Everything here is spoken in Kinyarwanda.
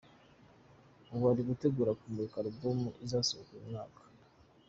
Ubu ari gutegura kumurika album izasohoka uyu mwaka”.